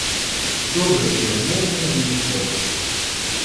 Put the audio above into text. Добрае і адмоўнае ў ім побач.